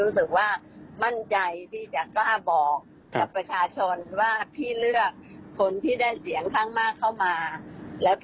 ส่วนโครงที่๑๑นะคะ